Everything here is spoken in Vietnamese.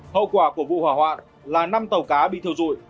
hậu quả của vụ hỏa hoạn là năm tàu cá bị thiêu dụi